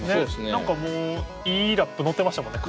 何かもういいラップ乗ってましたもんね